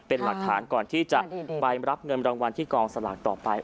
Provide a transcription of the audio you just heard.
เป็นหลักฐานก่อนที่จะไปรับเงินรางวัลที่กองสลากต่อไป